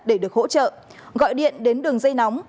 để được hỗ trợ gọi điện đến đường dây nóng